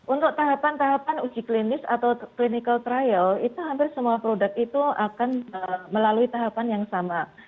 untuk tahapan tahapan uji klinis atau clinical trial itu hampir semua produk itu akan melalui tahapan yang sama